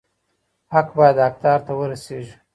حق بايد حقدار ته ورسيږي.